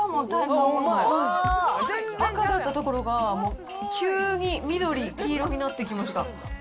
赤だった所が、急に緑、黄色になってきました。